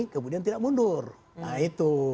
kemudian tidak mundur nah itu